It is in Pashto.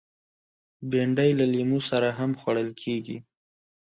بېنډۍ له لیمو سره هم خوړل کېږي